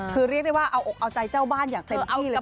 คือเรียกได้ว่าเอาอกเอาใจเจ้าบ้านอย่างเต็มที่เลย